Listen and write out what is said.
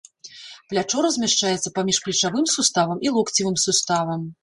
Плячо размяшчаецца паміж плечавым суставам і локцевым суставам.